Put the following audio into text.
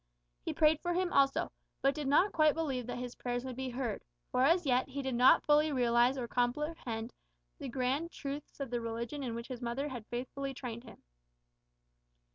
He prayed for him also, but did not quite believe that his prayers would be heard, for as yet he did not fully realise or comprehend the grand truths of the religion in which his mother had faithfully trained him.